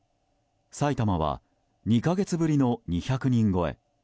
埼玉は２か月ぶりの２００人超え。